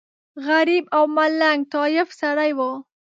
غریب او ملنګ ټایف سړی و.